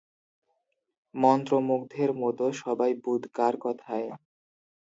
মন্ত্রমুগ্ধের মতো সবাই বুঁদ কার কথায়?